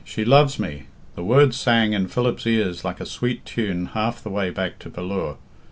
She loves me!" The words sang in Philip's ears like a sweet tune half the way back to Ballure.